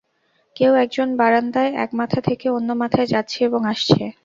কেউ একজন বারান্দায় এক মাথা থেকে অন্য মাথায় যাচ্ছে এবং আসছে।